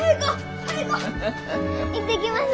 行ってきます。